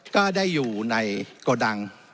ก็ได้อยู่ในโกดัง